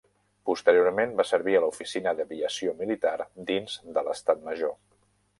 Posteriorment va servir a l'Oficina d'Aviació Militar dins de l'estat major.